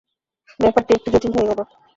ব্যাপারটা একটু জটিল হয়ে গেল।